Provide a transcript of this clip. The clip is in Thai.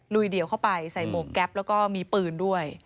ลุยเดี่ยวเข้าไปใส่หมวกแก๊ปแล้วก็มีปืนด้วย